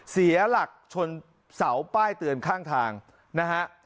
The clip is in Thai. เสียหลักชนเสาป้ายเตือนข้างทางนะฮะ